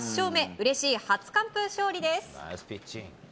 うれしい初完封勝利です。